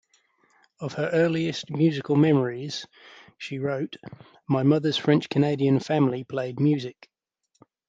Of her earliest musical memories, she wrote, my mother's French Canadian family played music.